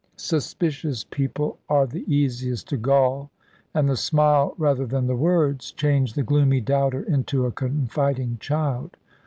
Suspicious people are the easiest to gull, and the smile, rather than the words, changed the gloomy doubter into a confiding child.